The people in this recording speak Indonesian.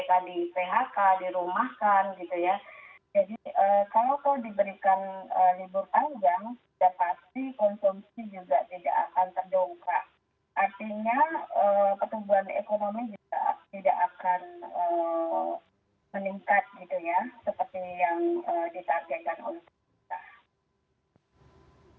seperti yang ditargetkan untuk kita